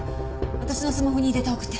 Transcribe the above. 私のスマホにデータ送って。